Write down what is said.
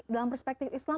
dalam perspektif islam